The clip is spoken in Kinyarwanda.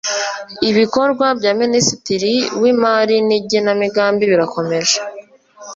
Ibikorwa bya Minisitiri w Imari n Igenamigambi birakomeje